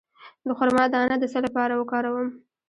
د خرما دانه د څه لپاره وکاروم؟